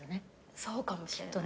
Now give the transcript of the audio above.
そうかもしれない。